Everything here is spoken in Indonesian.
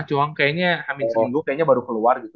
cuma kayaknya hamil seminggu kayaknya baru keluar gitu